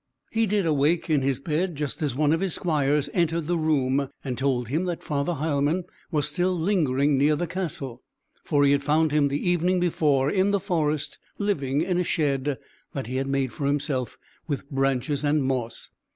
He did awake in his bed, just as one of his squires entered the room, and told him that Father Heilmann was still lingering near the castle; for he had found him the evening before in the forest, living in a shed he had made for himself with branches and moss.